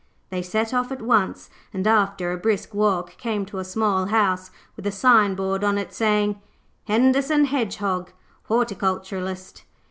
They set off at once, and, after a brisk walk, came to a small house with a signboard on it saying, 'Henderson Hedgehog, Horticulturist'.